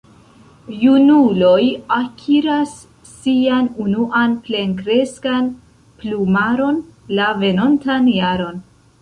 Junuloj akiras sian unuan plenkreskan plumaron la venontan jaron.